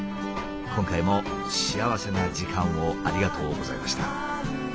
今回も幸せな時間をありがとうございました。